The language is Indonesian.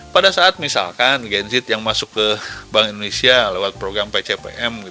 pada saat misalkan gen z yang masuk ke bank indonesia lewat program pcpm